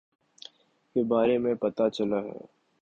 کے بارے میں پتا چلا ہے